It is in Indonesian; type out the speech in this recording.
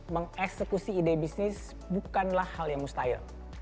mengeksekusi ide bisnis bukanlah hal yang mustahil